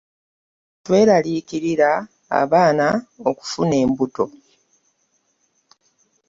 Tweraliikirira abaana okufuna embuto.